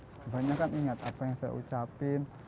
kebanyakan ingat apa yang saya ucapin